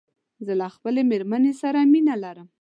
زه له خپلې ميرمن سره مينه لرم